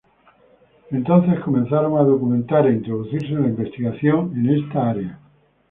Entonces comenzaron a documentar e introducirse en la investigación en esta área.